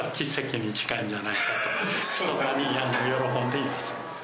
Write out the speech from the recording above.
ひそかに喜んでいます。